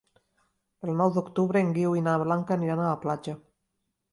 El nou d'octubre en Guiu i na Blanca aniran a la platja.